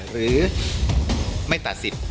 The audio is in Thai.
หรือไม่ตัดสิทธิ์